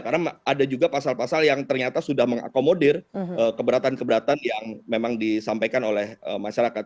karena ada juga pasal pasal yang ternyata sudah mengakomodir keberatan keberatan yang memang disampaikan oleh masyarakat